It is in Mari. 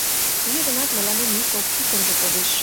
Туге гынат мыланемат ик-кок чукыржо кодеш.